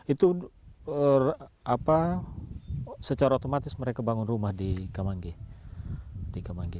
itu secara otomatis mereka bangun rumah di kamangi